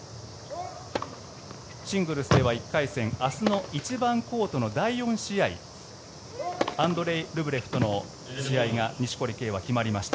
シングルスでは１回戦明日の１番コートの第４試合アンドレイ・ルブレフとの試合が錦織圭は決まりました。